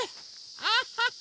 アハッハ！